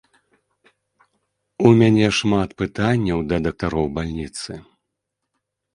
У мяне шмат пытанняў да дактароў бальніцы.